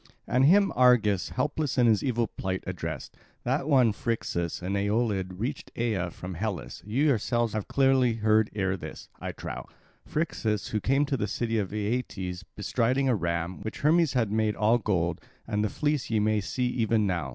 And him Argus, helpless in his evil plight, addressed: "That one Phrixus an Aeolid reached Aea from Hellas you yourselves have clearly heard ere this, I trow; Phrixus, who came to the city of Aeetes, bestriding a ram, which Hermes had made all gold; and the fleece ye may see even now.